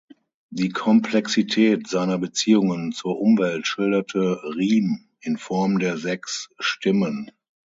Die Komplexität seiner Beziehungen zur Umwelt schilderte Rihm in Form der sechs „Stimmen“.